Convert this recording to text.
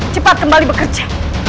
cepat kembali bekerja